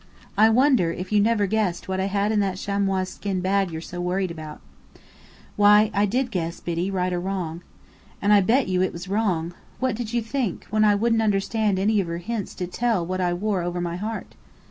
I wonder if you never guessed what I had in that chamois skin bag you're so worried about?" "Why, yes, I did guess, Biddy, right or wrong." "And I'll bet you it was wrong! What did you think, when I wouldn't understand any of your hints to tell what I wore over my heart?"